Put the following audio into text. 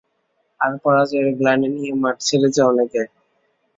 আর পরাজয়ের গ্লানি নিয়ে মাঠ ছেড়েছে অনেকে।